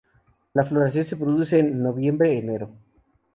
La floración se produce en nov–enero.